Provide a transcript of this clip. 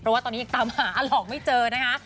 เพราะว่าตอนนี้ยังตามหาอาหลอกไม่เจอนะคะ